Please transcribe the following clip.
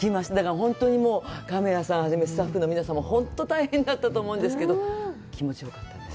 本当にカメラさんを初めスタッフの皆さんも本当に大変だったと思うんですけど、気持ちよかったです。